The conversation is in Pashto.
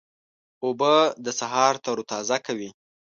اوبه د سهار تروتازه کوي.